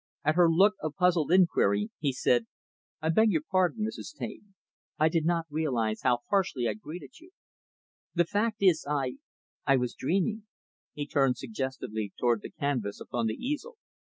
At her look of puzzled inquiry, he said, "I beg your pardon, Mrs. Taine. I did not realize how harshly I greeted you. The fact is I I was dreaming" he turned suggestively toward the canvas upon the easel.